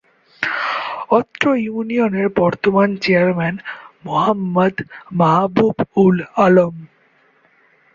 অত্র ইউনিয়নের বর্তমান চেয়ারম্যান মোহাম্মদ মাহাবুব-উল-আলম